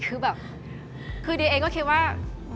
คือเดี๋ยวเองก็คิดว่า